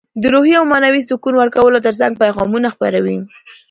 د روحي او معنوي سکون ورکولو ترڅنګ پیغامونه خپروي.